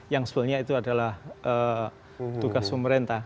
yang sebenarnya itu adalah tugas pemerintah